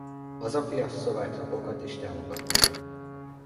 A hazafias szlovák lapokat is támogatták.